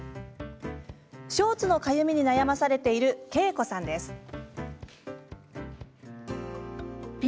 ショーツのかゆみに悩まされているケイコさんです。